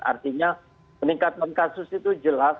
artinya peningkatan kasus itu jelas